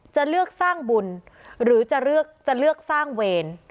จะเลือกสร้างบุญหรือจะเลือกสร้างเวร